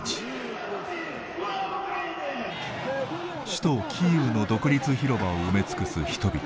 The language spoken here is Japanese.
首都キーウの独立広場を埋め尽くす人々。